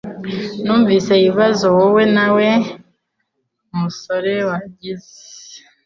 Numvise ibibazo wowe na Wa musore wagize